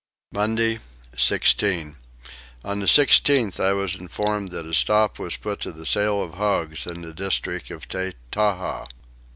Monday 16. On the 16th I was informed that a stop was put to the sale of hogs in the district of Tettaha.